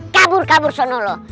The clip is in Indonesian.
kabur kabur sono lu